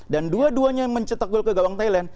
dan dua duanya mencetak gol ke gawang thailand